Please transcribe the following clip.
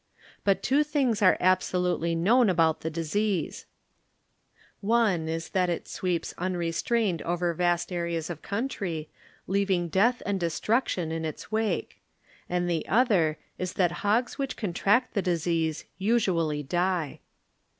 But two things are absolutely known about the disease. One is that it sweeps unrestrained over vast areas of country, leaving death and destruction in its wake; and the other is that hogs which contract the disease usually die.